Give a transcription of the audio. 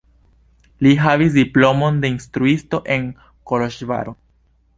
Li havigis diplomon de instruisto en Koloĵvaro.